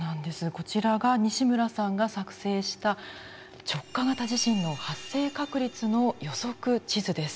こちらが西村さんが作成した直下型地震の発生確率の予測地図です。